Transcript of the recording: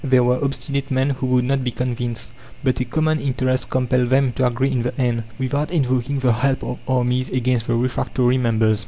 There were obstinate men who would not be convinced. But a common interest compelled them to agree in the end, without invoking the help of armies against the refractory members.